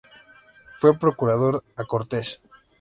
Fue Procurador a Cortes.